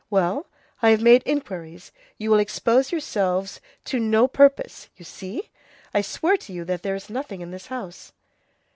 Well, I have made inquiries; you will expose yourselves to no purpose, you see. I swear to you that there is nothing in this house."